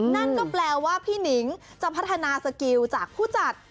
นั่นก็แปลว่าพี่หนิงจะพัฒนาสกิลจากผู้จัด